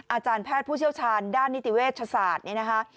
อาจารย์แพทย์ผู้เชี่ยวชาญด้านนิติเวชศาสตร์นี่นะคะ